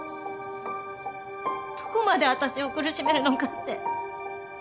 どこまで私を苦しめるのかって。